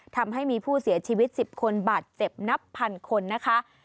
ทำให้มีผู้เสียชีวิต๑๐คนบาดเจ็บนับพันคนนะคะ